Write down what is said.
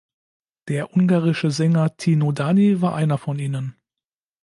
Der ungarische Sänger Tino Dani war einer von ihnen.